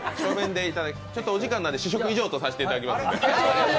お時間なので試食は以上とさせていただきます。